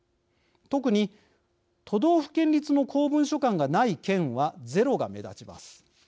特に都道府県立の公文書館がない県はゼロが目立ちます。